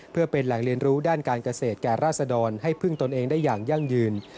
เพื่อเป็นแหล่งเรียนรู้ด้านการเกษตรแก่ราษดรให้พึ่งตนเองได้อย่างยั่งยืน